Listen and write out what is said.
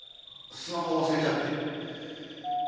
スマホを忘れちゃって。